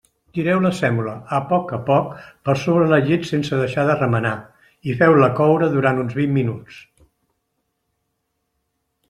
Tireu la sèmola, a poc a poc, per sobre la llet sense deixar de remenar, i feu-la coure durant uns vint minuts.